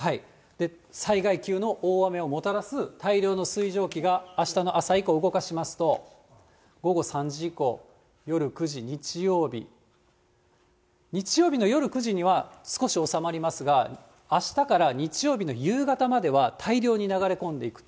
災害級の大雨をもたらす大量の水蒸気があしたの朝以降、動かしますと、午後３時以降、夜９時、日曜日、日曜日の夜９時には少し収まりますが、あしたから日曜日の夕方までは、大量に流れ込んでいくと。